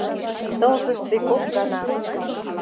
Тылзыште кок гана...